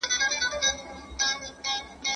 ¬ غل پسي اخله ، نو نه تر کوره.